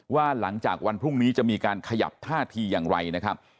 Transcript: ว่าหลังจากวันพรุ่งนี้จะมีการขยับท่าทีอย่างไรนะครับ